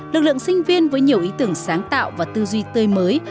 lực lượng sinh viên với nhiều ý tưởng sáng tạo và tư duy tươi mới